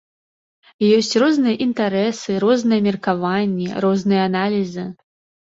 Ёсць розныя інтарэсы, розныя меркаванні, розныя аналізы.